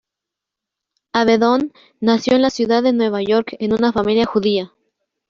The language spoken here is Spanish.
Avedon nació en la ciudad de Nueva York en una familia judía.